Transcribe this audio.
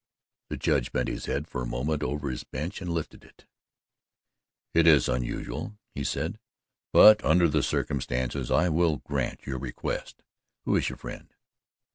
The Judge bent his head a moment over his bench and lifted it: "It is unusual," he said; "but under the circumstances I will grant your request. Who is your friend?"